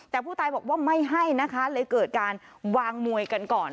แต่ผู้ตายบอกว่าไม่ให้นะคะเลยเกิดการวางมวยกันก่อน